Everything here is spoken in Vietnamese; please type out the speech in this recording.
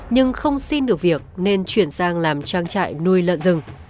nhưng không xin được việc nên chuyển sang làm trang trại nuôi lợn rừng